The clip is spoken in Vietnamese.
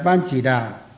ban chỉ đạo